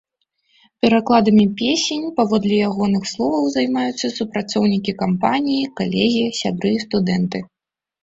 Перакладамі песень, паводле ягоных словаў, займаюцца супрацоўнікі кампаніі, калегі, сябры, студэнты.